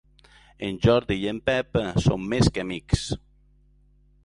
En Jordi i en Pep són més que amics.